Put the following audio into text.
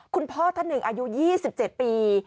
คุณพ่อท่านหนึ่งอายุ๒๗ปี